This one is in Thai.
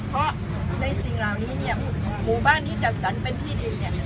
เพราะในสิ่งเหล่านี้เนี่ยหมู่บ้านนี้จัดสรรเป็นที่ดินเนี่ย